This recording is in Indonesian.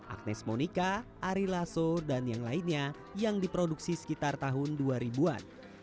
agnes monica ari lasso dan yang lainnya yang diproduksi sekitar tahun dua ribu an